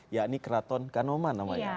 yakni keraton kanoman namanya